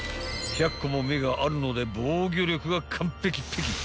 ［１００個も目があるので防御力が完璧ぺき］